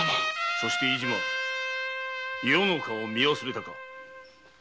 そして飯島余の顔を見忘れたか？